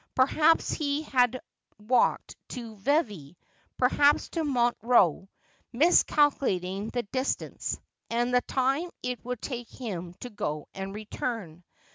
Perhaps he had walked to Vevey, perhaps to Montreux, miscalculating the dis tance, and the time it would take him to go and return.